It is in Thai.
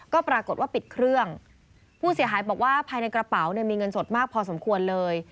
ก็ปรากฏว่าปิดเครื่องผู้เสียหายบอกว่าภายในกระเป๋าเนี่ยมีเงินสดมากพอสมควรเลย